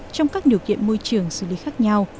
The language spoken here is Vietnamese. trong các điều kiện môi trường xử lý khác nhau